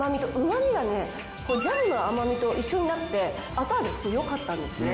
ジャムの甘みと一緒になって後味がよかったんですね。